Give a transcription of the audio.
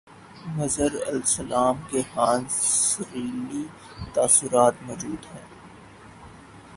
مظہر الاسلام کے ہاں سرئیلی تاثرات موجود ہیں